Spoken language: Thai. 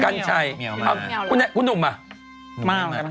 พูดชายเขาก็เลือกคุณแม่